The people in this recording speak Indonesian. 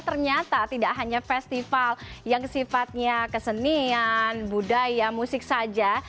ternyata tidak hanya festival yang sifatnya kesenian budaya musik saja